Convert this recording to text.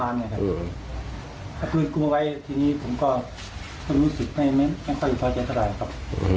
๒๕๙นะครับ